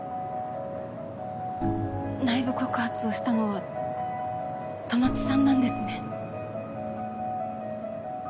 内部告発をしたのは戸松さんなんですね？